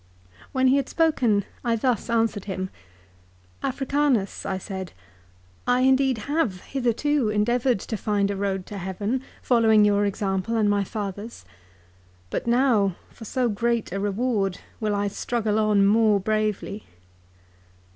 " When he had spoken I thus answered him, ' Africanus,' I said, ' I indeed have hitherto endeavoured to find a road to heaven, following your example and my fathers ; but now, for so great a reward, will I struggle on more bravely.'